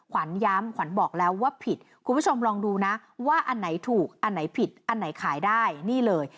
ขวัญย้ำขวัญบอกแล้วว่าผิดคุณผู้ชมลองดูนะว่าอันไหนถูกอันไหนผิดอันไหนขายได้นี่เลย